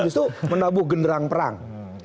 justru menabuh genderang perang